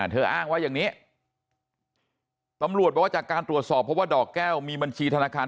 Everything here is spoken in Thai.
อ้างว่าอย่างนี้ตำรวจบอกว่าจากการตรวจสอบเพราะว่าดอกแก้วมีบัญชีธนาคาร